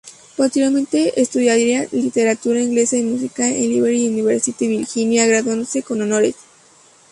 Posteriormente estudiaría literatura inglesa y música en Liberty University, Virginia graduándose con honores.